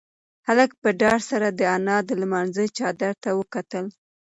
هلک په ډار سره د انا د لمانځه چادر ته وکتل.